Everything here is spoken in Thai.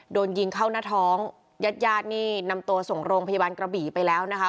โดนยิงเข้าหน้าท้องญาติญาตินี่นำตัวส่งโรงพยาบาลกระบี่ไปแล้วนะคะ